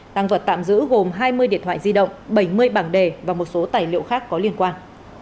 tăng vật tạm giữ gồm hai mươi điện thoại di động bảy mươi bảng đề và một số tài liệu khác có liên quan